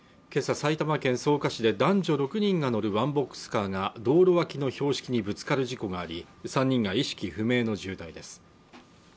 埼玉県草加市で男女６人が乗るワンボックスカーが道路脇の標識にぶつかる事故があり３人が意識不明の重体です